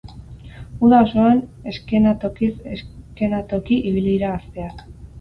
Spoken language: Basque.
Uda osoan eskenatokiz eskenatoki ibili dira gazteak.